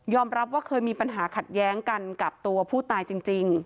รับว่าเคยมีปัญหาขัดแย้งกันกับตัวผู้ตายจริง